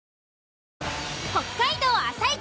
北海道朝市